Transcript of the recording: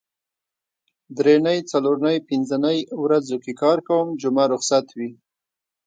درېنۍ څلورنۍ پینځنۍ ورځو کې کار کوم جمعه روخصت وي